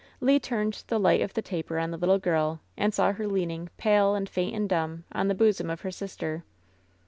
Le turned the light of the taper on the little girl, and saw her leaning, pale and faint and dumb, on the bosom of her sister.